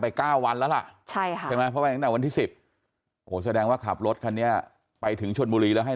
ไป๙วันแล้วล่ะใช่ว่าขับรถคันเนี่ยไปถึงชนบุรีแล้วให้